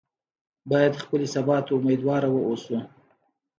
باید خپلې سبا ته امیدواره واوسو.